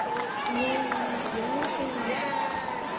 — Ну, — манам, — йоҥылыш лийынам.